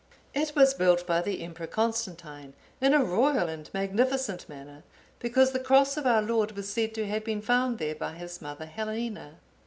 It was built by the Emperor Constantine, in a royal and magnificent manner, because the Cross of our Lord was said to have been found there by his mother Helena.